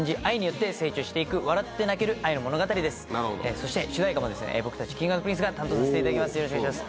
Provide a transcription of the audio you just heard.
そして主題歌も僕たちＫｉｎｇ＆Ｐｒｉｎｃｅが担当させていただきます